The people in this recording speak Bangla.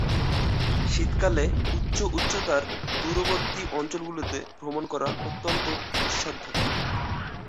শীতকালে উচ্চ উচ্চতার দূরবর্তী অঞ্চলগুলিতে ভ্রমণ অত্যন্ত দুঃসাধ্য।